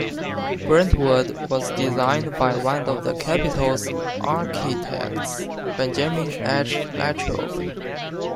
Brentwood was designed by one of the Capitol's architects, Benjamin H. Latrobe.